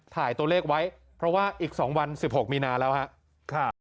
ถ่ายตัวเลขไว้เพราะว่าอีก๒วัน๑๖มีนาแล้วครับ